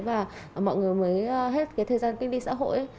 và mọi người mới hết thời gian kinh đi xã hội